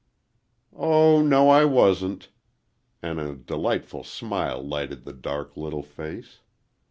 "Oh, no, I wasn't," and a delightful smile lighted the dark little face.